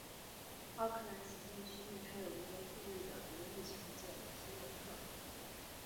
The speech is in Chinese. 奥克兰行政区内还有一个富裕的独立城镇皮蒙特。